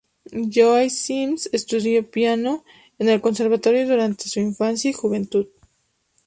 Joyce Sims estudió piano en el conservatorio durante su infancia y juventud.